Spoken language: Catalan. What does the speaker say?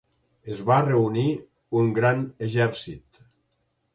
Es va reunir un gran exèrcit.